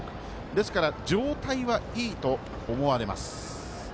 ですから状態はいいと思われます。